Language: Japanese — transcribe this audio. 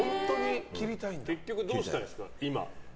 結局どうしたいんですか、今。